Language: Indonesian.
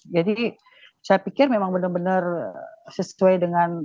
jadi saya pikir memang benar benar sesuai dengan